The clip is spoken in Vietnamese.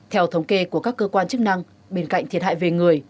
theo thống kê của các cơ quan chức năng bên cạnh thiệt hại về người